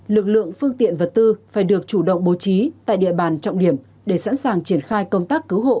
lực lượng phương tiện vật tư phải được chủ động bố trí tại địa bàn trọng điểm để sẵn sàng triển khai công tác cứu hộ